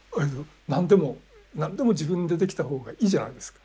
何でも何でも自分でできた方がいいじゃないですか。